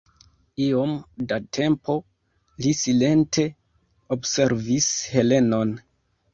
Iom da tempo li silente observis Helenon.